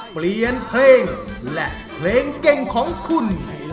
เปลี่ยนเพลงและเพลงเก่งของคุณ